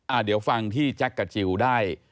เดี๋ยวฟังที่แจ๊คกับจิลได้